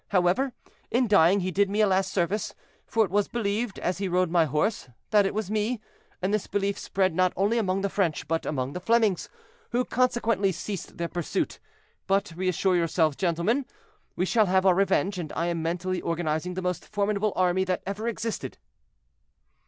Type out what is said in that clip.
However, in dying he did me a last service, for it was believed, as he rode my horse, that it was me, and this belief spread not only among the French, but among the Flemings, who consequently ceased their pursuit; but reassure yourselves, gentlemen, we shall have our revenge, and I am mentally organizing the most formidable army that ever existed."